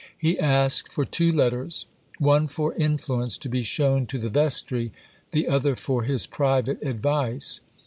He asked for two letters "one for influence," to be shown to the Vestry, the other for his private advice.